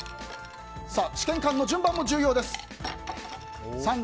試験管の順番も重要です。